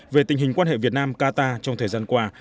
về tình hình quan hệ việt nam qatar trong thời gian qua